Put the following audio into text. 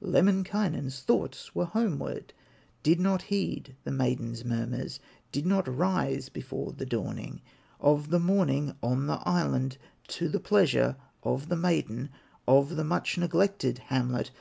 Lemminkainen's thoughts were homeward, Did not heed the maiden's murmurs, Did not rise before the dawning Of the morning on the island, To the pleasure of the maiden Of the much neglected hamlet.